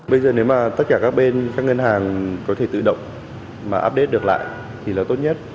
bây giờ nếu mà tất cả các bên các ngân hàng có thể tự động mà update được lại thì là tốt nhất